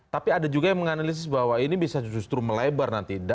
tapi ada juga yang menganalisis bahwa ini bisa justru melebar nanti